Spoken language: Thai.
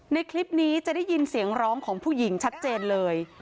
ในคลิปนี้จะได้ยินเสียงร้องของผู้หญิงชัดเจนเลย